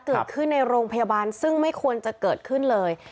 เกิดขึ้นในโรงพยาบาลซึ่งไม่ควรจะเกิดขึ้นเลย